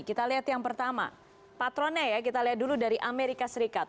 kita lihat yang pertama patronnya ya kita lihat dulu dari amerika serikat